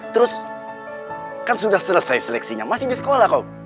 terus kan sudah selesai seleksinya masih di sekolah kok